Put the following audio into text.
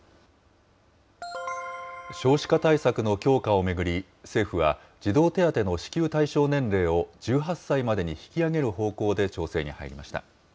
少子化対策の強化を巡り、政府は、児童手当の支給対象年齢を１８歳までに引き上げる方向で調整に入りました。